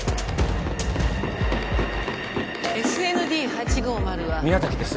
ＳＮＤ８５０は宮崎です